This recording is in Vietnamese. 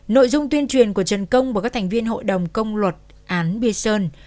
nội dung tuyên truyền của trần công và các thành viên hội đồng công luật án biên sơn